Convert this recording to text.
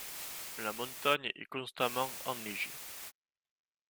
La montagne est constamment enneigée.